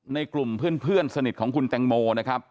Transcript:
ในกลุ่มเพื่อนสนิทของคุณแตงโมนะครับ